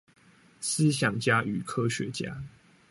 思想家與科學家